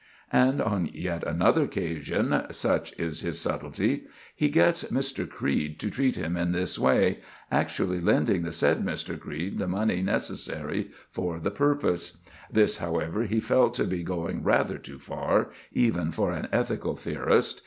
And on yet another occasion,—such is his subtlety,—he gets Mr. Creed to treat him in this way, actually lending the said Mr. Creed the money necessary for the purpose. This, however, he felt to be going rather too far, even for an ethical theorist.